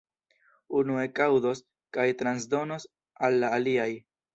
Unu ekaŭdos kaj transdonos al la aliaj.